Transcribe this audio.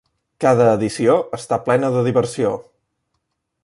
Cada edició està plena de diversió!